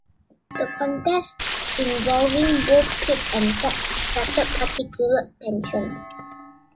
The contests involving both Pitt and Fox attracted particular attention.